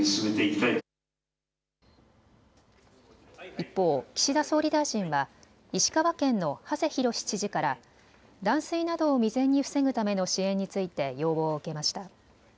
一方、岸田総理大臣は石川県の馳浩知事から断水などを未然に防ぐための支援について要望を受けました。